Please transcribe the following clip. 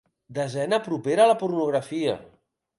Desena propera a la pornografia.